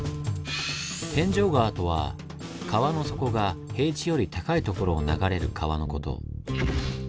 天井川とは川の底が平地より高い所を流れる川のこと。